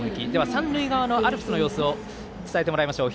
三塁側のアルプスの様子を伝えてもらいましょう。